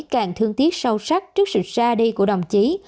càng thương tiếc sâu sắc trước sự ra đi của đồng chí